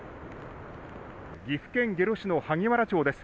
岐阜県下呂市の萩原町です。